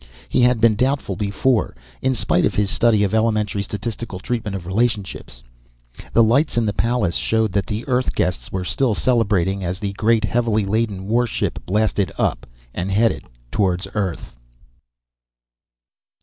He had been doubtful before, in spite of his study of elementary statistical treatment of relationships. The lights in the palace showed that the Earth guests were still celebrating as the great, heavily laden warship blasted up and headed toward Earth.